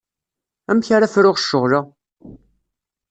Amek ara fruɣ ccɣel-a?